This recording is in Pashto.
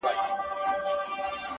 • سبا چي راسي د سبــا له دره ولــوېږي ـ